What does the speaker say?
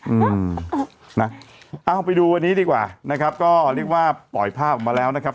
อืมเอาไปดูวันนี้ดีกว่าก็เรียกว่าปล่อยภาพมาแล้วนะครับ